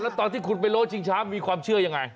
แล้วตอนที่คุณไปโล้ชิงช้ามีความเชื่อยังไง